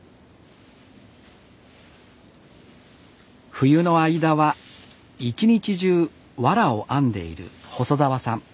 冬の間は一日中藁を編んでいる細澤さん。